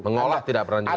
mengolah tidak pernah juga ya